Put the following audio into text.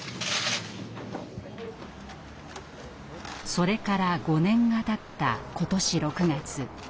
それから５年がたった今年６月。